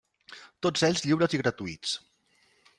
Tots ells lliures i gratuïts.